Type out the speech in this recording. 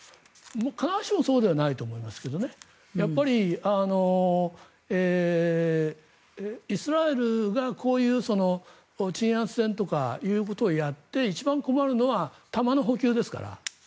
必ずしもそうではないと思いますがやっぱり、イスラエルがこういう鎮圧戦とかそういうことをやって一番困るのは弾の補給ですから。